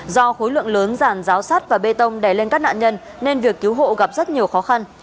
do khối lượng lớn ràn ráo sắt và bê tông đè lên các nạn nhân nên việc cứu hộ gặp rất nhiều khó khăn